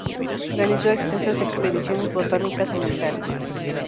Realizó extensas expediciones botánicas en Italia.